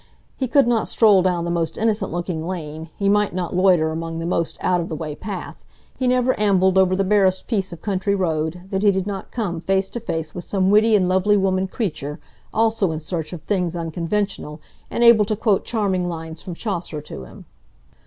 He could not stroll down the most innocent looking lane, he might not loiter along the most out of the way path, he never ambled over the barest piece of country road, that he did not come face to face with some witty and lovely woman creature, also in search of things unconventional, and able to quote charming lines from Chaucer to him."